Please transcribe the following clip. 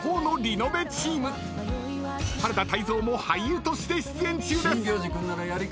［原田泰造も俳優として出演中です！］